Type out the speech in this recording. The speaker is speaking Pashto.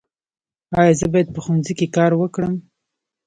ایا زه باید په ښوونځي کې کار وکړم؟